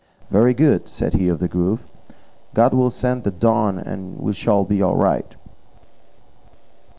"Very good," said he of the Grove; "God will send the dawn and we shall be all right."